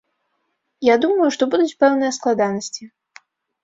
Я думаю, што будуць пэўныя складанасці.